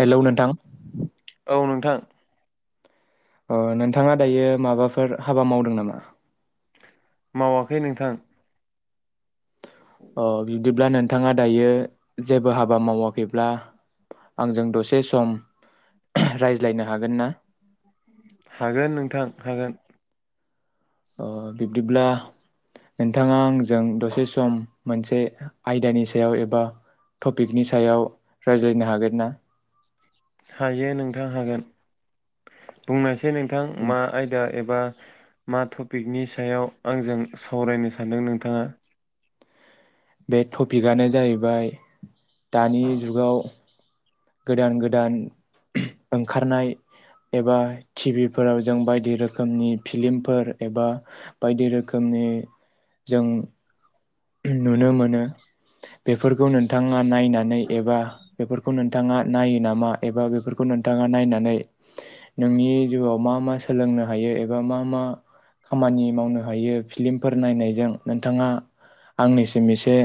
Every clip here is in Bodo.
हेलौ नोंथां औ नोंथां। अ नोंथाङा दायो माबाफोर हाबा मावदों नामा। मावाखै नोंथां। अ बिदिब्ला नोंथाङा दायो जेबो हाबा मावाखैब्ला आंजों दसे सम रायज्लायनो हागोन ना। हागोन नोंथां हागोन। अ बिब्दिब्ला। नोंथाङा आंजों दसे सम मोनसे आयदानि सायाव एबा टपिकनि सायाव रायज्लायनो हागोन ना। हायो नोंथां हागोन बुंनायसै। जे नोंथां मा आयदा एबा बा मा टपिकनि सायाव आंजों सावरायनो सानदों नोंथाङा? बे टपिकआनो जाहैबाय दानि जुगाव गोदान गोदान ओंखारनाय एबा टिभिफोराव जों बायदि रोखोमनि फिल्मफोर एबा बायदि रोखोमनि जों नुनो मोनो बेफोरखौ नोंथाङा नायनानै एबा बेफोरखौ नोंथाङा नायो नामा एबा बेफोरखौ नोंथाङा नायनानै नोंनि जिउआव मा मा सोलोंनो हायो एबा मा मा खामानि मावनो हायो फिल्मफोर नायनायजों नोंथाङा आंनिसिम एसे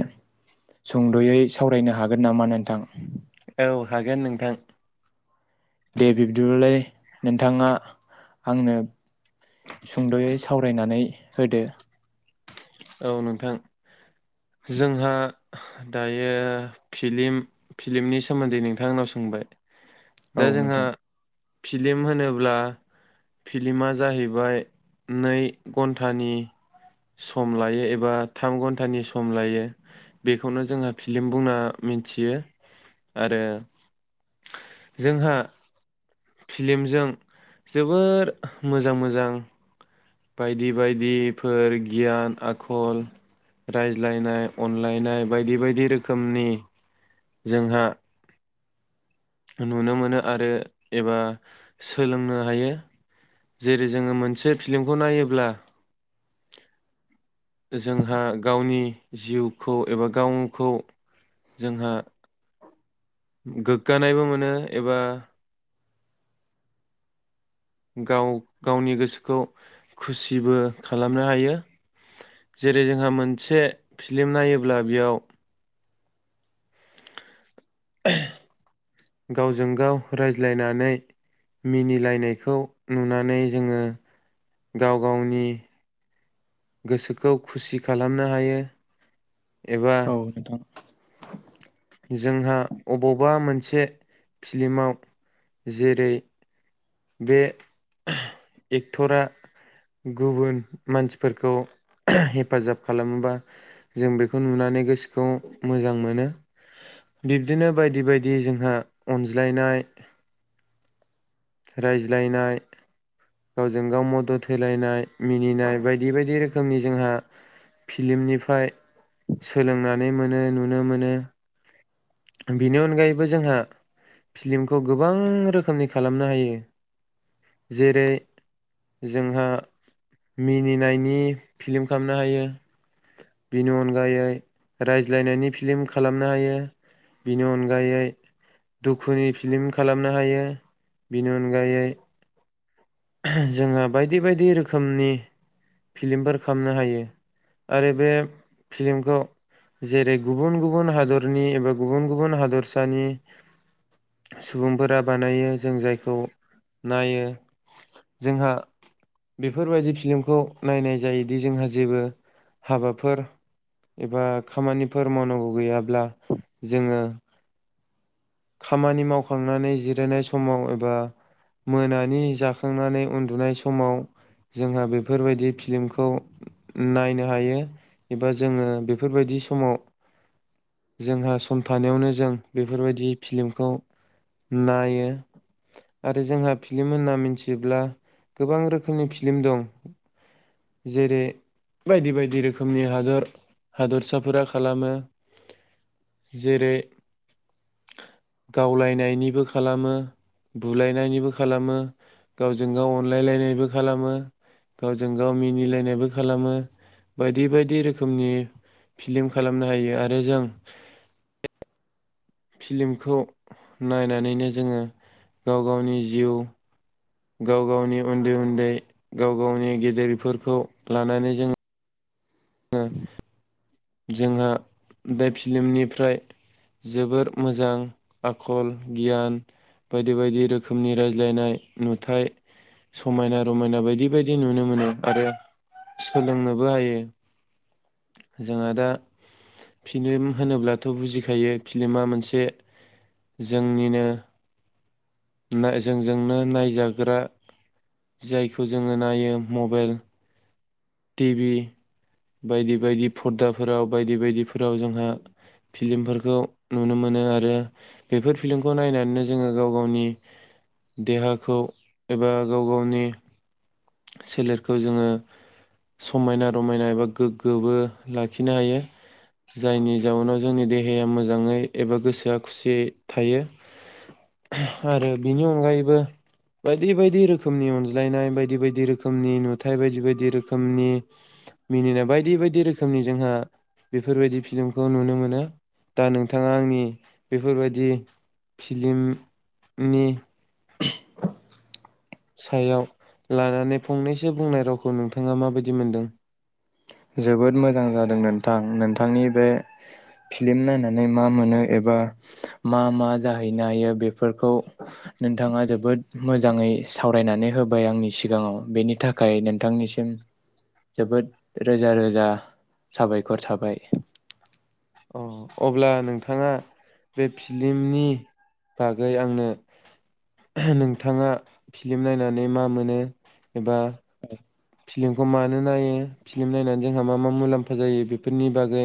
सुंद'यै सावरायनो हागोन नामा नोंथां? औ हागोन नोंथां। दे बिब्दिबालाय नोंथाङा आंनो सुंद'यै सावरायनानै होदो। औ नोंथां जोंहा दायो फिलिम फिलिमनि सोमोन्दै नोंथांङा आंनाव सोंबाय औ दा जोंहा नोंथां फिलिम होनोब्ला फिल्मा जाहैबाय नै घन्टानि स सम लायो एबा थाम घन्टानि सम लायो बेखौनो जोंहा फिल्म बुंना मिथियो आरो जोंहा फिलिमजों जोबोर मोजां मोजां बायदि बायदिफोर गियान आखल रायज्लायनाय अनलायनाय बायदि बायदि रोखोमनि जोंहा नुनो मोनो आरो एबा सोलोंनो हायो जेरै जोङो मोनसे फिलिमखौ नायोब्ला जोंहा गावनि जिउखौ एबा गावखौ जोंहा गोग्गानायबो मोनो एबा गाव गावनि गोसोखौ खुसिबो खालामनो हायो जेरै जोंहा मोनसे फिल्म नायोब्ला बेयाव गावजों गाव रायज्लायनानै मिनिलायनायखौ नुनानै जोङो गाव गावनि गोसोखौ खुसि खालामनो हायो। एबा औ नोंथां जोंहा अबावबा मोनसे फिलिमाव जेरै बे एक्टरा गुबुन मानसिफोरखौ हेफाजाब खालामोबा जों बेखौ नुनानै गोसोखौ मोजां मोनो बिब्दिनो बायदि बायदि जोंहा अनज्लायनाय रायज्लायनाय गावजों गाव मदद होलायनाय मिनिनाय बायदि बायदि रोखोमनि जोंहा फिलिमनिफ्राय सोलोंनानै मोनो नुनो मोनो। बेनि अनगायैबो जोंहा फिलिमखौ गोबां रोखोमनि खालामनो हायो जेरै जोंहा मिनिनायनि फिलिम खालामनो हायो बिनि अनगायै रायज्लायनायनि फिलिम खालामनो हायो बिनि अनगायै दुखुनि फिलिम खालामनो हायो, बिनि अनगायै जोंहा बायदि बायदि रोखोमनि फिलिमफोर खामनो हायो आरो बे फिलिमखौ जेरै गुबुन गुबुन हादरनि एबा गुबुन गुबुन हादरसानि सुबुंफोरा बानायो जों जायखौ नायो जोंहा बेफोरबायदि फिलिमखौ नायनाय जायोदि जोंहा जेबो हाबाफोर एबा खामानिफोर मावनांगौ गैयाब्ला जोङो खामानि मावखांनानै जिरायनाय समाव एबा मोनानि जा खांनानै उन्दुनाय समाव जोंहा बेफोरबायदि फिलिमखौ नायनो हायो एबा जोङो बेफोरबायदि समाव जोंहा सम थानायावनो जों बेफोरबायदि फिलिमखौ नायो आरो जोंहा फिलिम होनना मिनथि योब्ला गोबां रोखोमनि फिलिम दं जेरै बायदि बायदि रोखोमनि हादर हादरसाफोरा खालामो जेरै गावलायनायनिबो खालामो बुलायनायनिबो खालामो गावजों गाव अनलायलायनायबो खालामो गावजों गाव मिनिलायनायबो खालामो बायदि बायदि रोखोमनि फिलिम खालामनो हायो आरो जों फिलिमखौ नायनानैनो जोङो गाव गावनि जिउ गाव गावनि उन्दै उन्दै गाव गावनि गेदेरफोरखौ लानानै जों ओ जोंहा बे फिलिमनिफ्राय जोबोर मोजां आखल गियान बायदि बायदि रोखोमनि रायज्लायनाय नुथाय समायना रमायना बायदि बायदि नुनो मोनो आरो सोलोंनोबो हायो। जाहा दा फिलिम होनोब्लाथ' बुजिखायो फिलिमा मोनसे जोंनिनो जोंजोंनो नायजाग्रा जायखौ जोङो नायो मबेल टि बि, बायदि बायदि फर्दाफोराव बायदि बायदिफोराव जोंहा फिलिमफोरखौ नुनो मोनो आरो बेफोर फिलिमखौ नायनानैनो जोङो गाव गावनि देहाखौ एबा गाव गावनि सोलेरखौ जोङो समायना रमायना एबा गोग्गोबो लाखिनो हायो जायनि जाउनाव जोंनि देहाया मोजाङै एबा गोसोआ खुसियै थायो आरो बिनि अनगायैबो बायदि बायदि रोखोमनि अनज्लायनाय बायदि बाय यदि रोखोमनि नुथाय बायदि बायदि रोखोमनि मिनिनाय बायदि बायदि रोखोमनि जोंहा बेफोरबायदि फिलिमखौ नुनो मोनो दा नोंथाङा आंनि बेफोरबायदि फिलिमनि सायाव लानानै फंनैसो बुंनाय रावखौ नोंथाङा माबायदि मोनदों? जोबोद मोजां जादों नोंथां नों थांनि बे फिलिम नायनानै मा मोनो एबा मा मा जाहैनो हायो बेफोरखौ नोंथाङा जोबोद मोजाङै सावरायनानै होबाय आंनि सिगाङाव बेनि थाखाय नोंथांनिसिम जोबोद रोजा रोजा साबायखर थाबाय। अ अब्ला नोंथाङा बे फिलिमनि बागै आंनो नोंथाङा फिलिम नायनानै मा मोनो एबा फिलिमखौ मानो नायो फिलिम नायनानै जोंहा मा मा मुलाम्फा जायो बेफोरनि बागै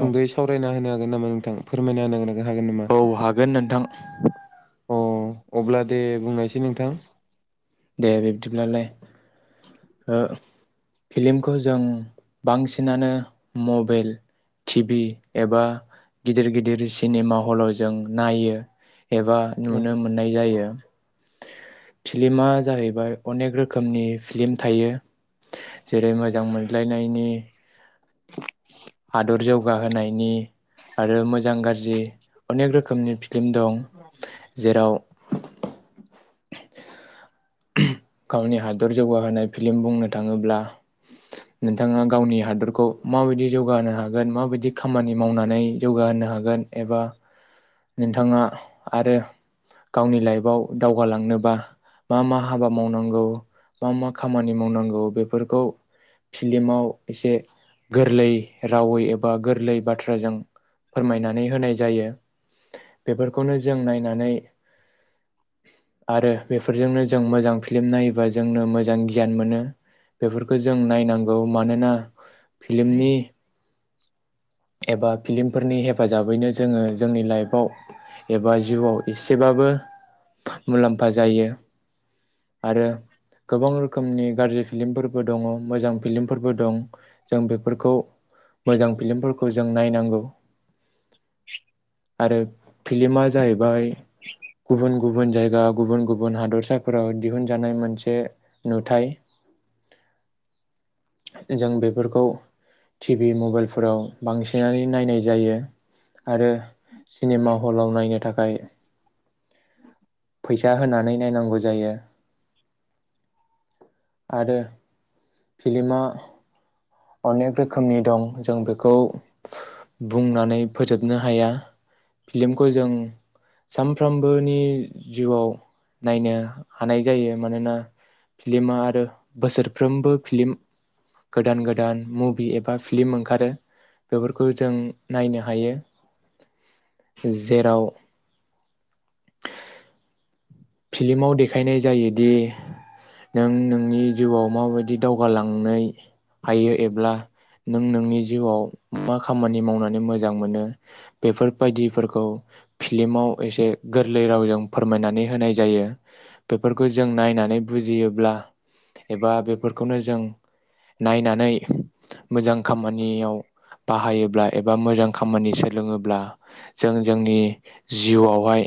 औ सावरायना होनो गोन नामा नोंथां फोरमायना [unintelligible] औ हागोन नोंथां। [inaudible] अ अब्ला दे बुंनायसै नोंथां। दे बिब्दिब्लालाय ओ फिलिमखौ जों बांसिनानो मबाइल टि भि एबा गिदिर गिदिर सिनेमा हलाव जों नायो। एबा औ नुनो मोननाय जायो। फिलिमा जाहैबाय अनेक रोखोमनि फिलिम थायो जेरै मोजां मोनज्लायनायनि । हादर जौगाहोनायनि आरो मोजां गाज्रि अनेक रोखोमनि फ्इल्म दं जेराव गावनि हादर जौगाहोनाय फिलिम बुंनो थाङोब्ला नोंथाङा गावनि हादरखौ माबायदि जौगाहोनो हागोन माबायदि खामानि मावनानै जौगाहोनो हागोन एबा नोंथाङा आरो गावनि लाइफआव दावगालांनोबा मा मा हाबा मावनांगौ मा मा खामानि मावनांगौ बेफोरखौ फिलिमाव एसे गोरलै रावै एबा गोरलै बाथ्राजों फोरमायनानै होनाय जायो बेफोरखौनो जों नायनानै आरो बेफोरजोंनो जों मोजां फिल्म नायोबा जोंनो मोजां गियान मोनो बेफोरखौ जों नायनांगौ मानोना फिलिमनि एबा फिल्मफोरनि हेफाजाबैनो जोङो जोंनि लाइफआव एबा जिउआव एसेबाबो मुलाम्फा जायो आरो गोबां रोखोमनि गाज्रि फिल्मफोरबो दङ मोजां फिलिमफोरबो दं जों बेफोरखौ मोजां फिलिमफोर जों नायनांगौ आरो फिलमा जाहैबाय गुबुन गुबुन जायगा गुबुन गुबुन हादरसाफोराव दिहुनजानाय मोनसे नुथाय जों बेफोरखौ टि भि मबाइलफोराव बांसिनानो नायनाय जायो आरो सिनेमा हलाव नायनो थाखाय फैसा होनानै नायनांगौ जायो। आरो फिलिमा अनेक रोखोमनि दं जों बेखौ बुंनानै फोजोबनो हाया फिल्मखौ जों सानफ्रोमबोनि जिउआव नायनो हानाय जायो मानोना फिल्मा बोसोरफ्रोमबो फिलिम गोदान गोदान मुभि एबा फिल्म ओंखारो बेफोरखौ जों नायनो हायो। जेराव फिल्माव देखायनाय जायोदि नों नोंनि जिउआव माबायदि दावगालांनाय हायो एब्ला नों नोंनि जिउआव मा खामानि मावनानै मोजां मोनो बेफोर बायदिफोरखौ फिर फिल्माव एसे गोरलै रावजों फोरमायनानै होनाय यो बेफोरखौ जों नायनानै बुजियोब्ला एबा बेफोरखौनो जों नायनानै मोजां खामानियाव बाहायोब्ला एबा मोजां खामानि सोलोङोब्ला जों जोंनि जिउआवहाय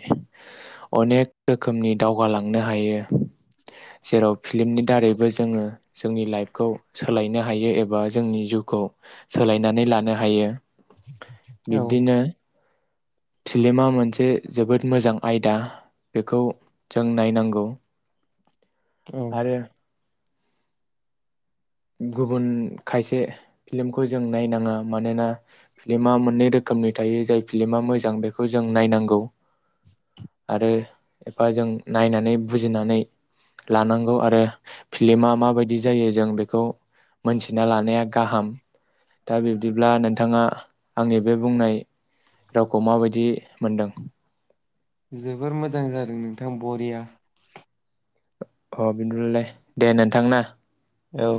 अनेक रोखोमनि दावगालांनो हायो। जेराव फिल्मनि दारैबो जोङो जोंनि लाइफ खौ सोलायनो हायो एबा जोंनि जिउखौ सोलायनानै लानो हायो। औ बिब्दिनो फिल्मा मोनसे जोबोद मोजां आयदा बेखौ जों नायनांगौ। औ आरो गुबुन खायसे फिलिमखौ जों नायनाङा मानोना फ्लमा मोननै रोखोमनि थायो जाय फिलमा मोजां बेखौ जों नायनांगौ आरो एफा जों नायनानै बुजिनानै लानांगौ आरो फिलिमा माबायदि जायो जों बे खौ मोनथिना लानाया गाहाम दा बिब्दिब्ला नोंथाङा आंनि बे बुंनाय रावखौ माबायदि मोनदों? जोबोर मोजां जादों नोंथां बरिया। अ बिन्दुललाय दे नोंथांना। औ